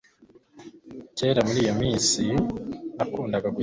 Kera muri iyo minsi, nakundaga gukina cheque.